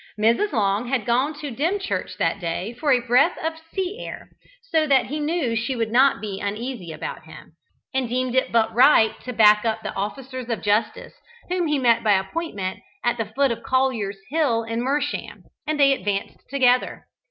Mrs. Long had gone to Dymchurch that day for a breath of sea air, so that he knew she would not be uneasy about him, and deemed it but right to back up the officers of justice, whom he met by appointment at the foot of Collier's Hill in Mersham, and they advanced together.